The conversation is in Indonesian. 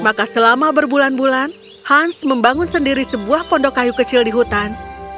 maka selama berbulan bulan hans membangun sendiri sebuah pondok kayu kecil di hutan